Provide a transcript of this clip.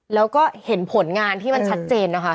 แล้วก็เห็นผลงานที่มันชัดเจนนะคะ